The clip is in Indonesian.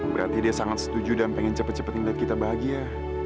berarti dia sangat setuju dan pengen cepet cepetin lihat kita bahagia